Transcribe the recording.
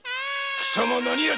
貴様何奴